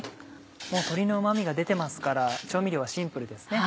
もう鶏のうま味が出てますから調味料はシンプルですね。